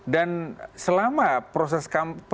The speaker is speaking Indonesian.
dan selama proses